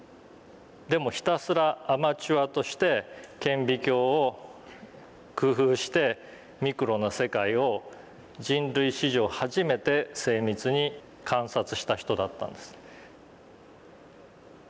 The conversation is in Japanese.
でもひたすらアマチュアとして顕微鏡を工夫してミクロな世界を人類史上初めて精密に観察した人だったんです。